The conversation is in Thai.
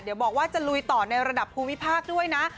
เดี๋ยวบอกว่าจะลุยต่อในระดับภูมิภาคด้วยนะ